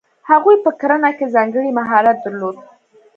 هغوی په کرنه کې ځانګړی مهارت درلود.